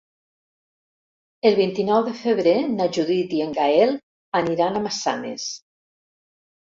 El vint-i-nou de febrer na Judit i en Gaël aniran a Massanes.